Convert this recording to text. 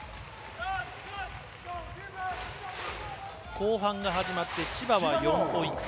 後半が始まって千葉は４ポイント。